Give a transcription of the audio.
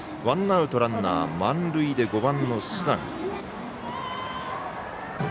ワンアウトランナー、満塁で５番の須永。